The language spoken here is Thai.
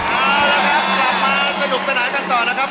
เอาละครับกลับมาสนุกสนานกันต่อนะครับ